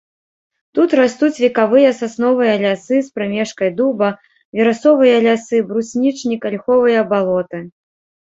Тут растуць векавыя сасновыя лясы з прымешкай дуба, верасовыя лясы, бруснічнік, альховыя балоты.